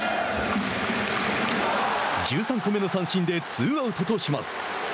１３個目の三振でツーアウトとします。